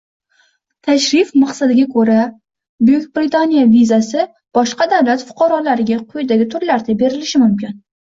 Tashrif maqsadiga ko‘ra, Buyuk Britaniya vizasi boshqa davlat fuqarolariga quyidagi turlarda berilishi mumkin.